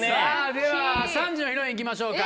では３時のヒロイン行きましょうか。